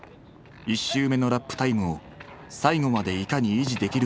１周目のラップタイムを最後までいかに維持できるかが問われる。